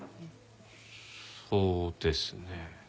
そうですね。